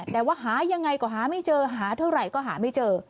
แต่ว่าหายังไงก็หาไม่เจอหาเท่าไหร่ก็หาไม่เจอ